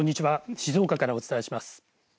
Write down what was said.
静岡からお伝えします。